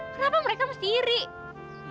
kenapa mereka mesti iri